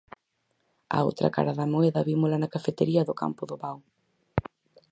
A outra cara da moeda vímola na cafetería do campo do Vao.